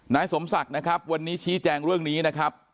นายสมศักดิ์นะครับวันนี้ชี้แจงเรื่องนี้นะครับ